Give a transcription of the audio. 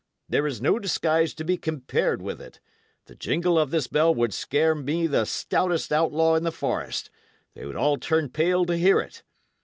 There is no disguise to be compared with it; the jingle of this bell would scare me the stoutest outlaw in the forest; they would all turn pale to hear it.